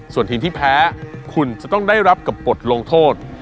ส่วนทีมที่แพ้คุณจะต้องได้รับกับบทลงโทษ